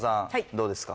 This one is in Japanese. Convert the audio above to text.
どうですか？